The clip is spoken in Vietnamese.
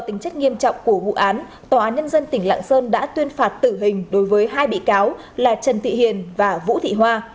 tòa án tòa án nhân dân tỉnh lạng sơn đã tuyên phạt tử hình đối với hai bị cáo là trần thị hiền và vũ thị hoa